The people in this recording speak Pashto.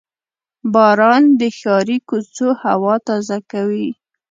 • باران د ښاري کوڅو هوا تازه کوي.